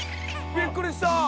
びっくりした！